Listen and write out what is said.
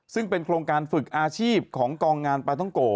ซึ่งเป็นโครงการฝึกอาชีพของกองงานปลาท้องโก